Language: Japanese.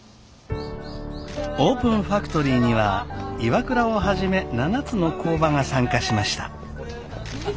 オープンファクトリーにはＩＷＡＫＵＲＡをはじめ７つの工場が参加しました。